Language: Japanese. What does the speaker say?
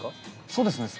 そうですね。